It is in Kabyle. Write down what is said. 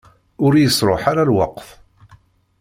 Ur yesruḥ ara lweqt.